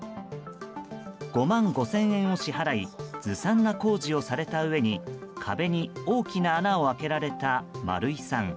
５万５０００円を支払いずさんな工事をされたうえに壁に大きな穴を開けられた丸井さん。